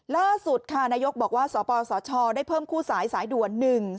ล่าสุดค่ะนายกบอกว่าสปสชได้เพิ่มคู่สายสายด่วน๑๒